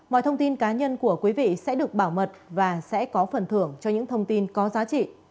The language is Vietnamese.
mọi thông tin cá nhân của quý vị sẽ được bảo mật và sẽ có phần thưởng cho những thông tin có giá trị